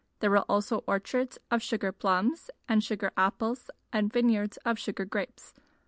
There were also orchards of sugar plums and sugar apples and vineyards of sugar grapes.